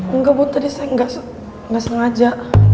enggak bu tadi saya nggak sengaja